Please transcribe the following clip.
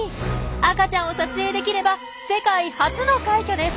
赤ちゃんを撮影できれば世界初の快挙です！